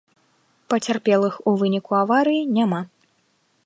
Пацярпелых у выніку аварыі няма.